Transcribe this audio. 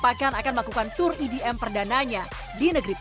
papakan akan melakukan tour edm perdananya di negeri papua